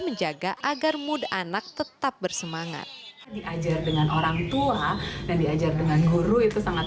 menjaga agar mood anak tetap bersemangat diajar dengan orangtuanya diajar dengan guru itu sangat